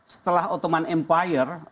setelah ottoman empire